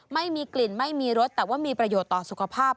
ไม่มีกลิ่นไม่มีรสแต่ว่ามีประโยชน์ต่อสุขภาพ